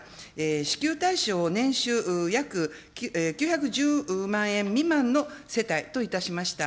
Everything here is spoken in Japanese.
支給対象を年収約９１０万円未満の世帯といたしました。